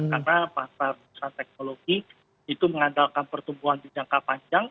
karena pasar teknologi itu mengandalkan pertumbuhan di jangka panjang